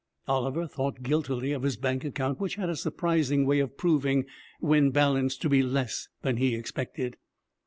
Oliver thought guiltily of his bank account, which had a surprising way of proving, when balanced, to be less than he expected.